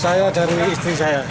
saya dari istri saya